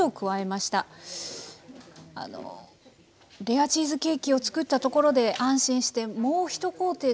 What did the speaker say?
レアチーズケーキを作ったところで安心してもう一工程